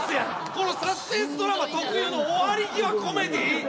このサスペンスドラマ特有の終わり際コメディー？